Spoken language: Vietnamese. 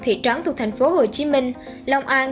thị trắng thuộc tp hcm long an